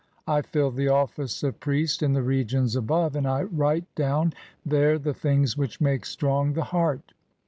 I fill the office of priest in the regions above, "and I write down there [the things] which make strong the "heart.